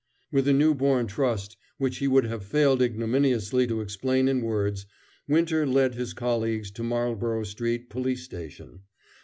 With a newborn trust, which he would have failed ignominiously to explain in words, Winter led his colleagues to Marlborough Street police station.